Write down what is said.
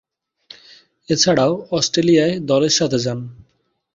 এছাড়াও, অস্ট্রেলিয়ায় দলের সাথে যান।